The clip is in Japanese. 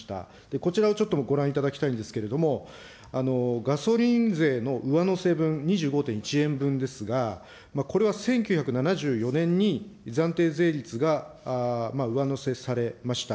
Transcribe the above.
こちらをちょっとご覧いただきたいんですけれども、ガソリン税の上乗せ分２５．１円分ですが、これは１９７４年に暫定税率が上乗せされました。